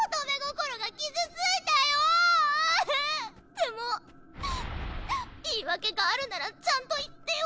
でも言い訳があるならちゃんと言ってよ。